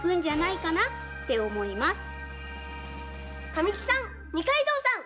神木さん二階堂さん